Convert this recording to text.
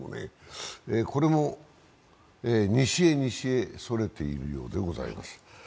これも西へ西へそれているようでございます。